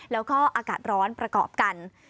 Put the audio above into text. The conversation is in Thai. แล้วก็อากาศร้อนประกอบกัน